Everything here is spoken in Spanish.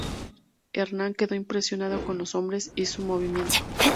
Herman quedó impresionado con los hombres y su movimiento.